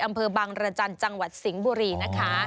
อำเภอบางรจันทร์จังหวัดสิงห์บุรีนะคะ